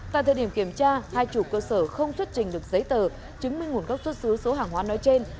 tại thời điểm kiểm tra hai chủ cơ sở không xuất trình được giấy tờ chứng minh nguồn gốc xuất xứ số hàng hóa nói trên